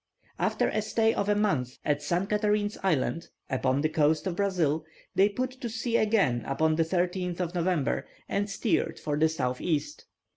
After a stay of a month at St. Catherine's Island, upon the coast of Brazil, they put to sea again upon the 13th of November, and steered for the south east.